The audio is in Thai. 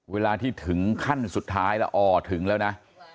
เวลาที่ถึงขั้นสุดท้ายแล้วอ๋อถึงแล้วนะ